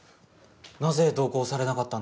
なぜ同行されなかったんですか？